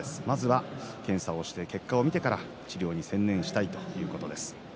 まずは検査をして結果を見てから治療に専念したいということです。